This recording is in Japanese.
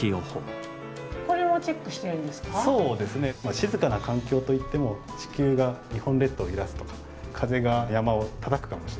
静かな環境といっても地球が日本列島を揺らすとか風が山をたたくかもしれない。